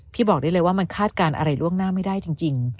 บอกได้เลยว่ามันคาดการณ์อะไรล่วงหน้าไม่ได้จริง